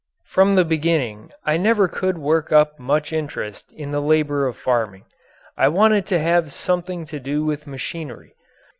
From the beginning I never could work up much interest in the labour of farming. I wanted to have something to do with machinery.